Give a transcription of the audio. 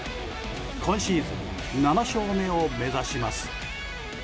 今シーズン７勝目を目指します。